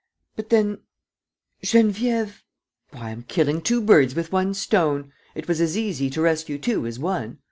... But then ... Geneviève ..." "Why, I'm killing two birds with one stone! It was as easy to rescue two as one.